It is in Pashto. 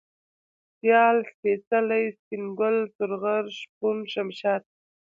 سيال ، سپېڅلى ، سپين گل ، سورغر ، شپون ، شمشاد